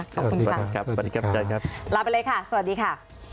ขอบคุณค่ะสวัสดีครับลาไปเลยค่ะสวัสดีค่ะ